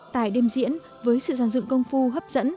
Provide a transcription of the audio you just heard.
tại đêm diễn với sự giàn dựng công phu hấp dẫn